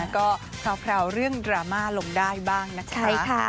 ก็แพรวเรื่องดราม่าลงได้บ้างนะคะ